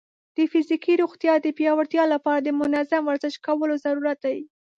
د فزیکي روغتیا د پیاوړتیا لپاره د منظم ورزش کولو ضرورت دی.